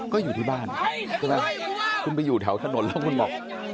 ก็อยู่ที่บ้านใช่ไหมคุณไปอยู่แถวถนนแล้วคุณบอก